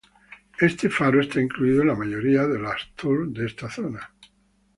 Este faro está incluido en la mayoría de los tour de esta zona.